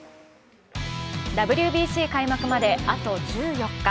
ＷＢＣ開幕まであと１４日。